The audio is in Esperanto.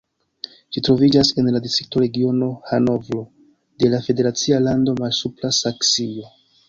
Ĝi troviĝas en la distrikto Regiono Hanovro de la federacia lando Malsupra Saksio.